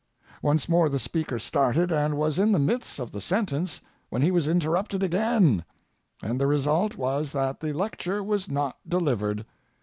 Once more the speaker started, and was in the midst of the sentence when he was interrupted again, and the result was that the lecture was not delivered.